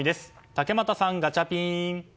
竹俣さん、ガチャピン！